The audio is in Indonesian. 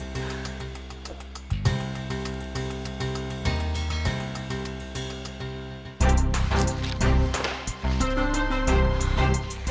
lagi dibawa ke rumah sakit